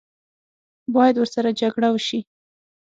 باید ورسره جګړه وشي.